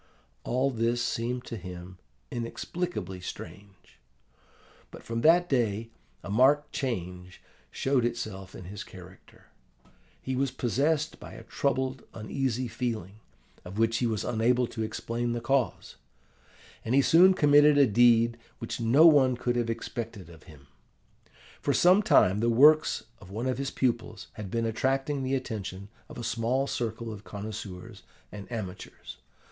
All this seemed to him inexplicably strange. But from that day a marked change showed itself in his character. He was possessed by a troubled, uneasy feeling, of which he was unable to explain the cause; and he soon committed a deed which no one could have expected of him. For some time the works of one of his pupils had been attracting the attention of a small circle of connoisseurs and amateurs.